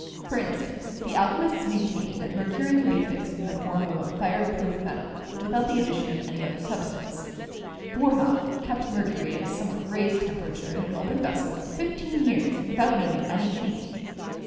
For instance, the alchemists main tained that mercury could be fixed in the form of a fire proof metal, without the addition of any other substance. Boerhaave kept mercury at a somewhat raised tempera THE PHLOGISTIC PERIOD PROPER 107 ture in an open vessel for fifteen years without noting any change.